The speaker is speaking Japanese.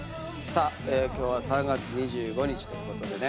今日は３月２５日ということでね。